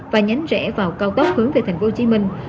và nhánh rẽ vào cao tốc hướng về tp hcm